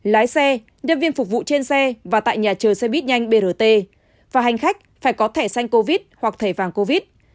lái xe nhân viên phục vụ trên xe và tại nhà chờ xe bít nhanh brt và hành khách phải có thẻ xanh covid hoặc thẻ vàng covid